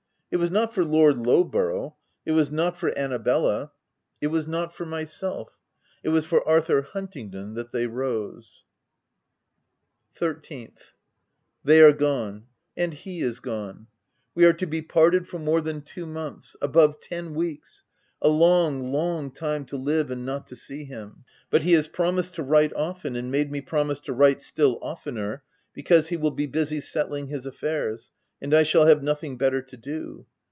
It was not for Lord Lowborough — it was not for Annabella — 64 THE TENANT it was not for myself —it was for Arthur Hunt ingdon that they rose. 13th. They are gone — and he is gone. We are to be parted for more than two months — above ten weeks ! a long, long time to live and not to see him. But he has promised to write often, and made me promise to write still oftener, because he will be busy settling his affairs, and I shall have nothing better to do.